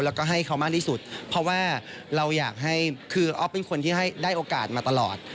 แล้วก็ให้เขามากที่สุดเพราะว่าออฟเป็นคนที่ได้โอกาศมาตลอด